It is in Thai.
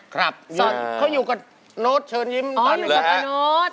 ครับเขาอยู่กับโน้ตเชิญยิ้มต้อนแหละฮะอ๋ออยู่กับโน้ต